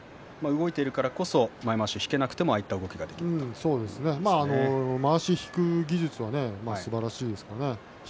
動いているからこそまわしが引けなくてもまわしを引く技術はすばらしいですね。